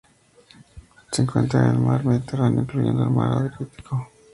Se encuentra en el Mar Mediterráneo, incluyendo el Mar Adriático.